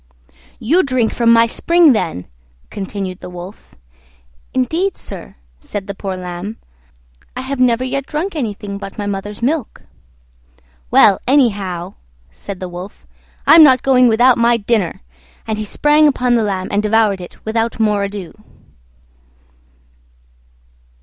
"You drink from my spring, then," continued the Wolf. "Indeed, sir," said the poor Lamb, "I have never yet drunk anything but my mother's milk." "Well, anyhow," said the Wolf, "I'm not going without my dinner": and he sprang upon the Lamb and devoured it without more ado.